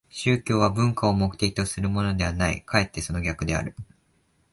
宗教は文化を目的とするものではない、かえってその逆である。